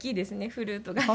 フルートがね。